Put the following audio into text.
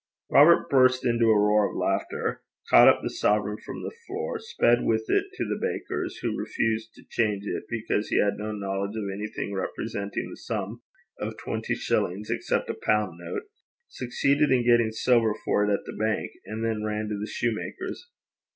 Robert burst into a roar of laughter, caught up the sovereign from the floor, sped with it to the baker's, who refused to change it because he had no knowledge of anything representing the sum of twenty shillings except a pound note, succeeded in getting silver for it at the bank, and then ran to the soutar's.